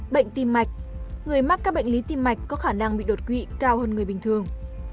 bệnh tim mạch người mắc các bệnh lý tim mạch có khả năng bị đột quỵ cao hơn người bình thường